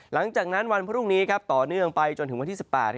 หลังจากนั้นวันพรุ่งนี้ต่อเนื่องไปจนถึงวันที่๑๘